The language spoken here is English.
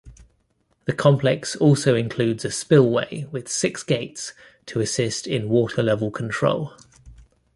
The complex also includes a spillway with six gates to assist in water-level control.